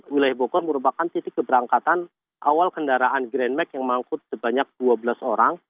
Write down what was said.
wilayah bokor merupakan titik keberangkatan awal kendaraan grand mac yang mangkut sebanyak dua belas orang